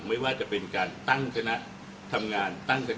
ไม่ว่าจะเป็นการตั้งสนับทำงาน